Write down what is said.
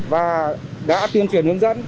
và đã tiên truyền hướng dẫn